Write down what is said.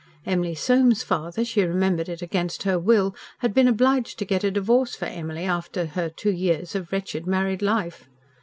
Emily Soame's father, she remembered it against her will, had been obliged to get a divorce for Emily after her two years of wretched married life.